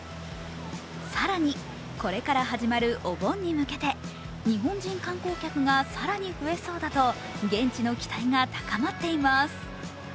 更にこれから始まるお盆に向けて日本人観光客が更に増えそうだと現地の期待が高まっています。